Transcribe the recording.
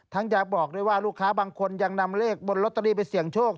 อยากบอกด้วยว่าลูกค้าบางคนยังนำเลขบนลอตเตอรี่ไปเสี่ยงโชค